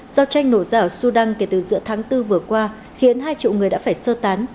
giao tranh nổ ra ở sudan kể từ giữa tháng bốn vừa qua khiến hai triệu người đã phải sơ tán